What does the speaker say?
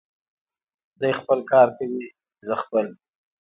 دی خپل کار کوي، زه خپل.